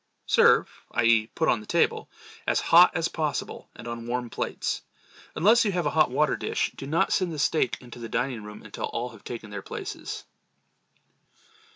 Serve—i. e. put on the table—as hot as possible and on warm plates. Unless you have a hot water dish, do not send the steak into the dining room until all have taken their places.